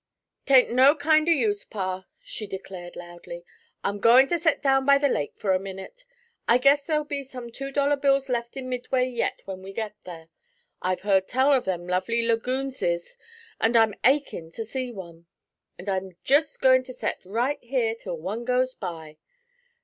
''Tain't no kind of use, pa!' she declared loudly. 'I'm goin' to set down by the lake for a minit; I guess there'll be some two dollar bills left in Midway yet when we get there. I've heard tell of them lovely laggoonses till I'm achin' to see one; and I'm jest goin' to set right here till one goes by.